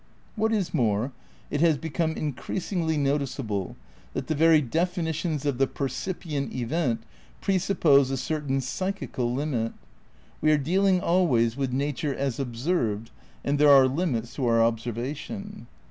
What is more, it has become increasingly noticeable that the very definitions of the "percipient event" pre suppose a certain psychical limit. We are dealing al ways with nature as observed and there are limits to our observation.